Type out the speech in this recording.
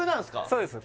そうです